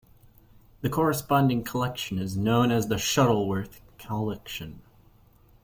The corresponding collection is known as the Shuttleworth Collection.